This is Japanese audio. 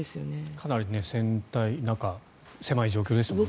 かなり船体の中狭い状況ですよね。